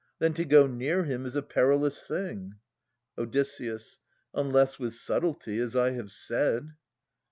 Then to go near him is a perilous thing. Od. Unless with subtlety, as I have said.